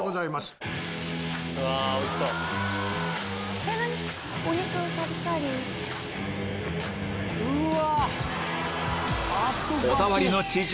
うわ！